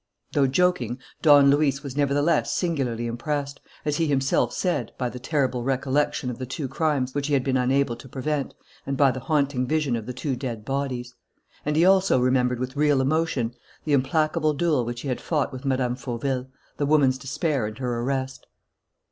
Though joking, Don Luis was nevertheless singularly impressed, as he himself said, by the terrible recollection of the two crimes which he had been unable to prevent and by the haunting vision of the two dead bodies. And he also remembered with real emotion the implacable duel which he had fought with Mme. Fauville, the woman's despair and her arrest.